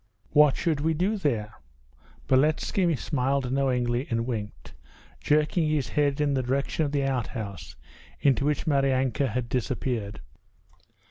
'What should we do there?' Beletski smiled knowingly and winked, jerking his head in the direction of the outhouse into which Maryanka had disappeared.